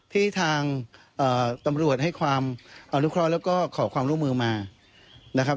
ที่ทางตำรวจให้ความอนุเคราะห์แล้วก็ขอความร่วมมือมานะครับ